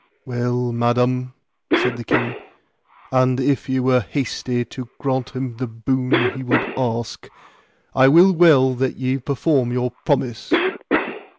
Well, Madam, said the king, and if ye were hasty to grant him what boon he would ask, I will well that ye perform your promise.